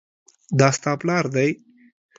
دا ستا پلار دی؟